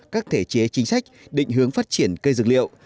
các thể chế chính sách định hướng phát triển cây dược liệu